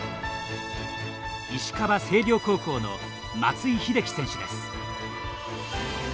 石川・星稜高校の松井秀喜選手です。